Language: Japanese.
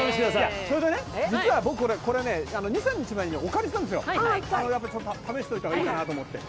実は僕これ、２３日前にお借りしたんですよ、試しといたほうがいいかなと思って。